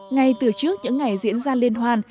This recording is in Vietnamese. ngay từ trước những ngày diễn ra liên hoan